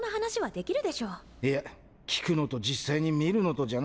いや聞くのと実際に見るのとじゃな。